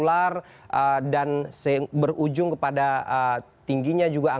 jam per minggu namun